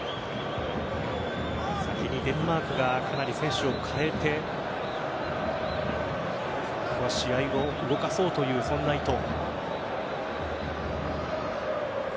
先にデンマークがかなり選手を代えて試合を動かそうというそんな意図。